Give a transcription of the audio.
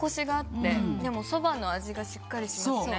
でもそばの味がしっかりしますね。